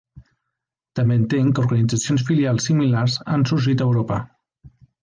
També entenc que organitzacions filials similars han sorgit a Europa.